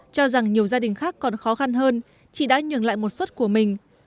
cho rằng nhiều gia đình khác còn khó khăn hơn chị đã nhường lại một suất của mình